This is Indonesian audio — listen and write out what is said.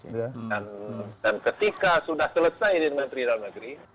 dan ketika sudah selesai di menteri dalam negeri